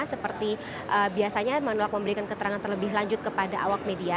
seperti biasanya menolak memberikan keterangan terlebih lanjut kepada awak media